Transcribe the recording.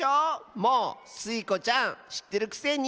もうスイ子ちゃんしってるくせに。